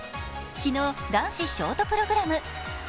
昨日、男子ショートプログラム。